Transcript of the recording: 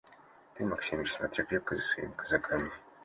Ты, Максимыч, смотри крепко за своими казаками.